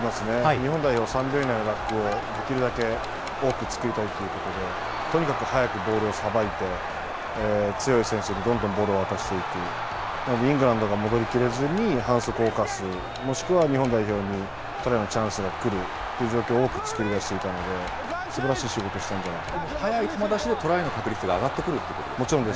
日本代表、３秒以内というのをできるだけ多く作りたいということで、とにかく速くボールをさばいて、強い選手にどんどんボールを渡していく、イングランドが戻りきれずに反則をかす、もしくは日本代表にトライのチャンスが来るっていう状況を多く作り出していたので、それはいい仕事したんだなと。